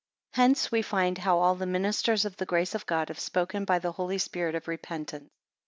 9 Hence we find how all the ministers of the grace of God have spoken by the Holy Spirit of repentance.